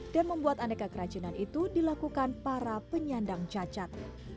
dan membuat aneka keracanan itu dilakukan para penyandang cacat